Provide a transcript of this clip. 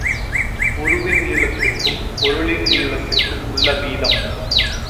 உருவின் நீளத்திற்கும் பொருளின் நீளத்திற்கும் உள்ள வீதம்.